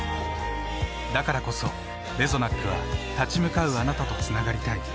だからこそレゾナックは立ち向かうあなたとつながりたい。